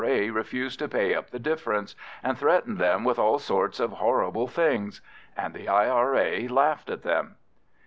A. refused to pay up the difference, and threatened them with all sorts of horrible things. And the I.R.A. laughed at them.